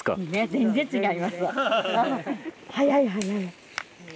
全然違いますわ、速い、速い。